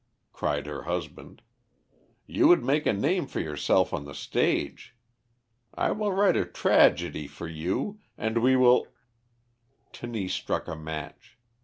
cried her husband. "You would make a name for yourself on the stage. I will write a tragedy for you, and we will " Tenise struck the match.